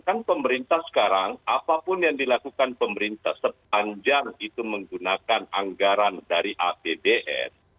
kan pemerintah sekarang apapun yang dilakukan pemerintah sepanjang itu menggunakan anggaran dari apbn